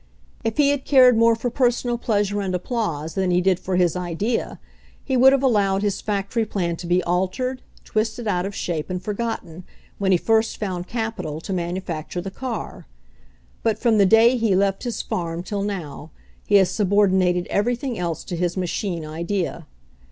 If he had cared more for personal pleasure and applause than he did for his idea, he would have allowed his fac tory plan to be altered, twisted out of shape and forgotten when he first found capital to manu facture the car. But from the day he left his farm till now he has subordinated everything else to his machine idea.